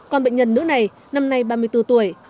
còn bệnh nhân nữ này năm nay ba mươi bốn tuổi